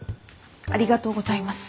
ありがとうございます。